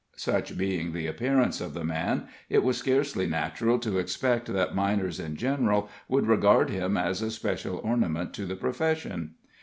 Such being the appearance of the man, it was scarcely natural to expect that miners in general would regard him as a special ornament to the profession.